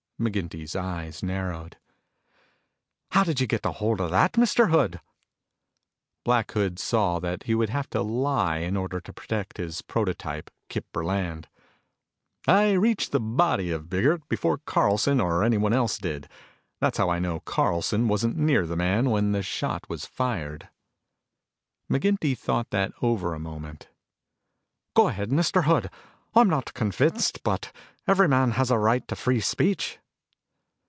McGinty's eyes narrowed. "How did you get hold of that, Mr. Hood?" Black Hood saw that he would have to lie in order to protect his prototype, Kip Burland. "I reached the body of Biggert before Carlson or anyone else did. That's how I know Carlson wasn't near the man when the shot was fired." McGinty thought that over a moment. "Go ahead, Mr. Hood. I'm not convinced, but every man has a right to free speech."